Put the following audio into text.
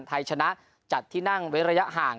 ไทยชนะจัดที่นั่งเว้นระยะห่าง